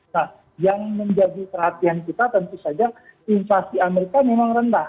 nah yang menjadi perhatian kita tentu saja inflasi amerika memang rendah